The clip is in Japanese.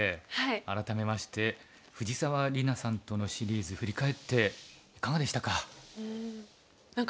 改めまして藤沢里菜さんとのシリーズ振り返っていかがでしたか？